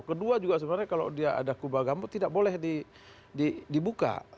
kedua juga sebenarnya kalau dia ada kubah gambut tidak boleh dibuka